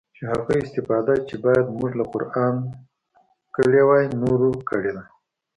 چې هغه استفاده چې بايد موږ له قرانه کړې واى نورو کړې ده.